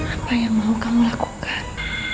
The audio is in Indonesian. apa yang mau kamu lakukan